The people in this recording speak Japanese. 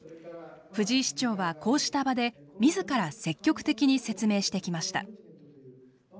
藤井市長はこうした場で自ら積極的に説明してきました。